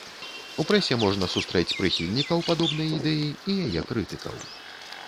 У прэсе можна сустрэць прыхільнікаў падобнай ідэі і яе крытыкаў.